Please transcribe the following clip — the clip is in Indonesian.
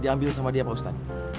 diambil sama dia pak ustadz